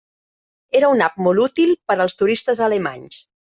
Era una app molt útil per als turistes alemanys.